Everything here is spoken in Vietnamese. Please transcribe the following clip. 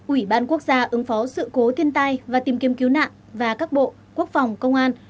ủy ban quốc gia ứng phó sự cố thiên tai và tìm kiếm cứu nạn và các bộ quốc phòng công an